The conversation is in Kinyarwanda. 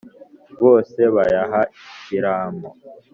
Bose bayaha ikiramo,